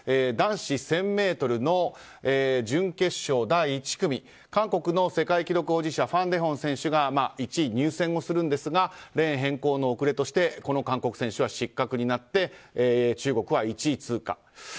男子１０００ｍの準決勝、第１組韓国の世界記録保持者ファン・デホン選手が１位入選するんですがレーン変更の遅れとしてこの韓国選手は失格になって中国は１位通過。